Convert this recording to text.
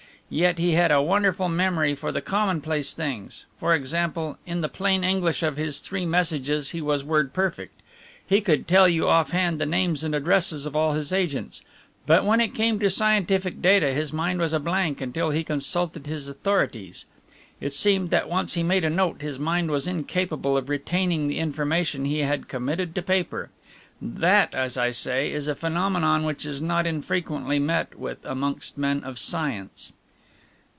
Yet he had a wonderful memory for the commonplace things for example, in the plain English of his three messages he was word perfect. He could tell you off hand the names and addresses of all his agents. But when it came to scientific data his mind was a blank until he consulted his authorities. It seemed that once he made a note his mind was incapable of retaining the information he had committed to paper. That, as I say, is a phenomenon which is not infrequently met with amongst men of science."